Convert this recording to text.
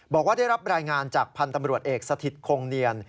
บอกว่าได้รับรายงานจากพันธ์ตำรวจเอกสถิตคงเนียน